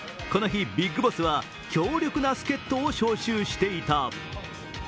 この日、ビッグボスは強力な助っとを召集していた。